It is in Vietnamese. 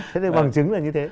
thế nên bằng chứng là như thế